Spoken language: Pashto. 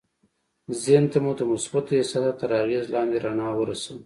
ذهن ته مو د مثبتو احساساتو تر اغېز لاندې رڼا ورسوئ